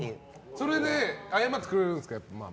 それで謝ってくれるんですか？